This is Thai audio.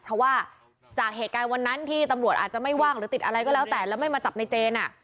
เพราะว่าจากเหตุการณ์วันนั้นที่ตำรวจอาจจะไม่ว่างหรือติดอะไรก็แล้วแต่แล้วไม่มาจับในเจน